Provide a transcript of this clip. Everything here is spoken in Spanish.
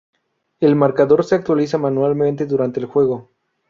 El marcador se actualiza manualmente durante el juego.